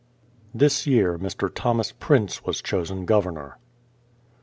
This year Mr. Thomas Prince was chosen Governor.